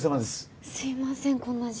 すいません